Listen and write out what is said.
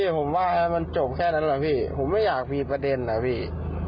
ผมว่ามันจบแค่นั้นแหละพี่ผมไม่อยากมีประเด็นนะพี่